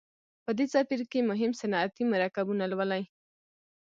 په دې څپرکي کې مهم صنعتي مرکبونه لولئ.